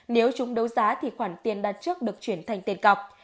nếu chúng đấu giá thì khoản tiền đặt trước được chuyển thành tiền cọc